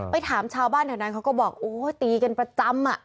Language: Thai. ถามชาวบ้านแถวนั้นเขาก็บอกโอ้ยตีกันประจำอ่ะ